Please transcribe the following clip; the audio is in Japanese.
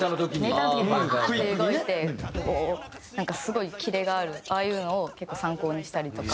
ネタの時バーッて動いてこうなんかすごいキレがあるああいうのを結構参考にしたりとか。